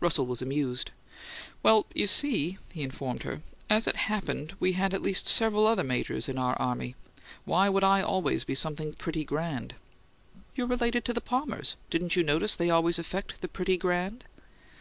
Russell was amused. "Well, you see," he informed her, "as it happened, we had at least several other majors in our army. Why would I always be something 'pretty grand?'" "You're related to the Palmers. Don't you notice they always affect the pretty grand?"